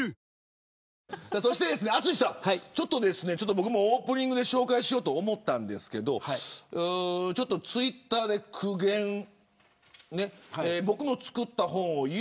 僕もオープニングで紹介しようと思ったんですけどツイッターで苦言を。